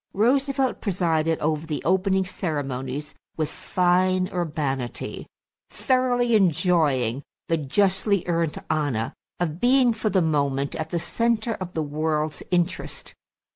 Roosevelt presided over the opening ceremonies with fine urbanity, thoroughly enjoying the justly earned honor of being for the moment at the center of the world's interest.